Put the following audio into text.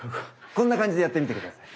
こんな感じでやってみて下さい。